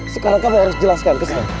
sekarang kamu harus jelaskan kesana